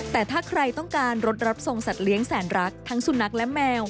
แต่ถ้าใครต้องการรถรับส่งสัตว์เลี้ยงแสนรักทั้งสุนัขและแมว